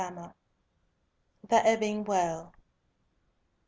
THE EBBING WELL.